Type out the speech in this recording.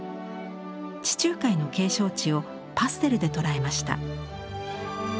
地中海の景勝地をパステルで捉えました。